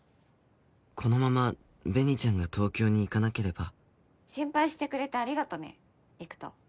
このまま紅ちゃんが東京に行かなければ心配してくれてありがとね偉人。